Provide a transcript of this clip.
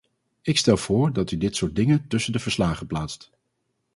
Ik stel voor dat u dit soort dingen tussen de verslagen plaatst.